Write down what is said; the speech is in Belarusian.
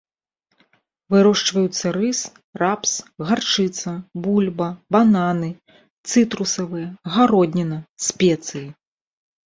Вырошчваюцца рыс, рапс, гарчыца, бульба, бананы, цытрусавыя, гародніна, спецыі.